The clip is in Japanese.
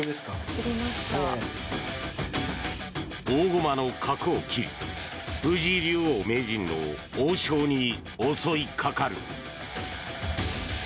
大駒の角を切り藤井竜王・名人の王将に襲いかかる。